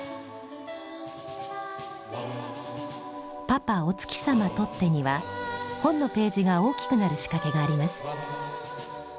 「パパ、お月さまとって」には本のページが大きくなる仕掛けがあります。